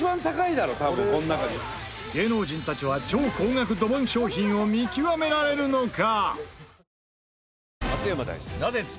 芸能人たちは超高額ドボン商品を見極められるのか？